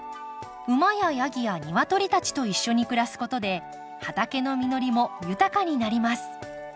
馬やヤギやニワトリたちと一緒に暮らすことで畑の実りも豊かになります。